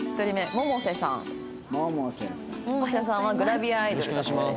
百瀬さんはグラビアアイドルの子です。